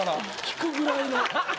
引くぐらいの。